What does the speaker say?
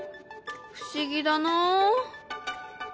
不思議だな。